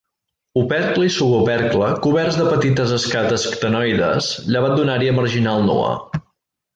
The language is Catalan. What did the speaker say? Opercle i subopercle coberts de petites escates ctenoides, llevat d'una àrea marginal nua.